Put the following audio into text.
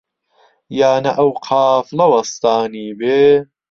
یا نە ئەو قافڵە وەستانی بێ؟